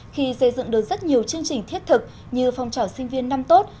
khi xây dựng được rất nhiều chương trình thiết thực như phong trào sinh viên năm tốt